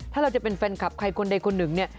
ถ้าเราจะเป็นแฟนคลับใครคนใดคนหนึ่งเนี่ย